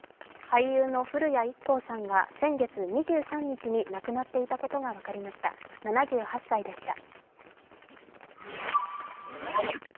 俳優の古谷一行さんが先月２３日になくなっていたことが分かりました、７８歳でした。